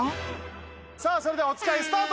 さあそれではおつかいスタート！